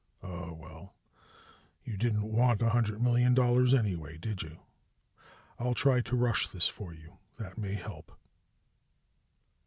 "Oh, well, you didn't want a hundred million dollars anyway, did you? I'll try to rush this for you, that may help."